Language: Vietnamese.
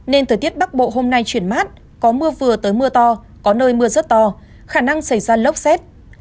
nên thời tiết bắc bộ hôm nay chuyển mát có mưa vừa tới mưa to có nơi mưa rất to khả năng xảy ra lốc xét